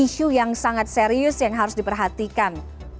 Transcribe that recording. hal yang harus diperhatikan